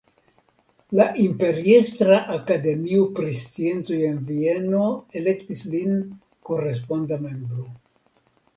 La Imperiestra akademio pri sciencoj en Vieno elektis lin koresponda membro.